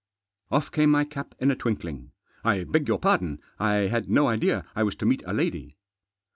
Off came my cap in a twinkling. " I beg your pardon. I had no idea I was to meet a lady."